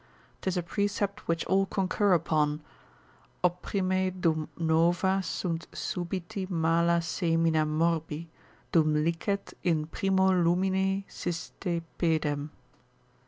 'Tis a precept which all concur upon, Opprime dum nova sunt subiti mala semina morbi, Dum licet, in primo lumine siste pedem.